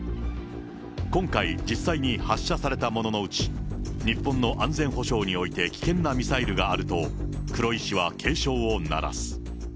今回、実際に発射されたもののうち、日本の安全保障において危険なミサイルがあると、黒井氏は警鐘を鳴らす。